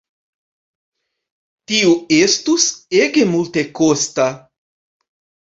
Tio estus ege multekosta.